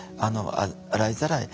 洗いざらい